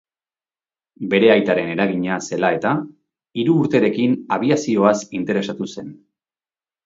Bere aitaren eragina zela eta, hiru urterekin abiazioaz interesatu zen.